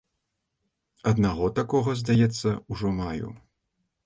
Аднаго такога, здаецца, ужо маю.